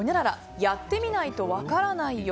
やってみないと分からないよ。